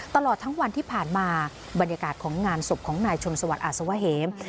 ตลอดทั้งวันที่ผ่านมาบรรยากาศของงานศพของนายชนสวัสดิอาสวเหม